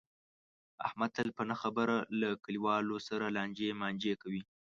احمد تل په نه خبره له کلیواو سره لانجې مانجې کوي.